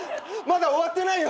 まだ終わってない。